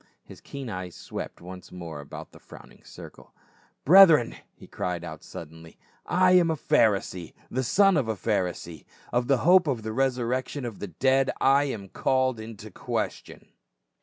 His keen eyes swept once more about the frowning circle. " Brethren !" he cried out suddenly, " I am a Pharisee, the son of a Pharisee ; of the hope and resurrection of the dead I am called in question